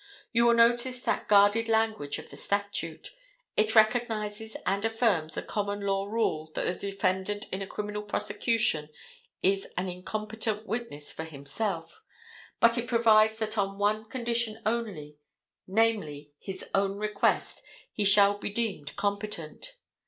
You will notice that guarded language of the statute. It recognizes and affirms the common law rule that the defendant in a criminal prosecution is an incompetent witness for himself, but it provides that on one condition only, namely, his own request, he shall be deemed competent.